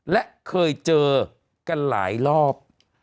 และเคยเจอกันหลายรอบ